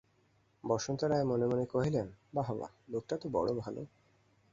বসন্ত রায় মনে মনে কহিলেন, বাহবা, লোকটা তো বড়ো ভালো।